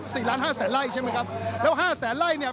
สี่ล้านห้าแสนไล่ใช่ไหมครับแล้วห้าแสนไล่เนี่ย